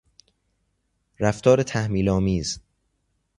رفتار تحمیل آمیز